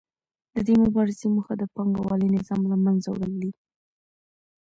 د دې مبارزې موخه د پانګوالي نظام له منځه وړل دي